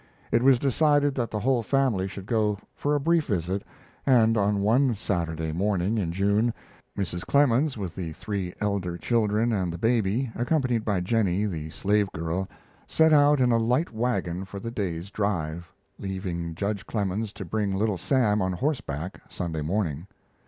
It was decided that the whole family should go for a brief visit, and one Saturday morning in June Mrs. Clemens, with the three elder children and the baby, accompanied by Jennie, the slave girl, set out in a light wagon for the day's drive, leaving Judge Clemens to bring Little Sam on horseback Sunday morning.